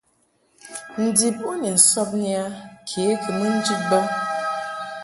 Ndib u ni sɔbni a ke kɨ mɨ njid bə.